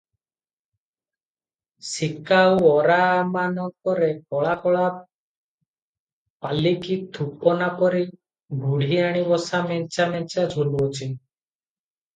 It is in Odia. ସିକା ଆଉ ଓରାମାନଙ୍କରେ କଳା କଳା ପାଲିକି ଥୁପନାପରି ବୁଢ଼ିଆଣୀ ବସା ମେଞ୍ଚା ମେଞ୍ଚା ଝୁଲୁଅଛି ।